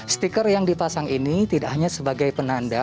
stiker yang dipasang ini tidak hanya sebagai penanda